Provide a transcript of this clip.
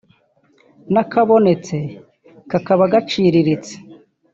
n’akabonetse kakaba gaciriritse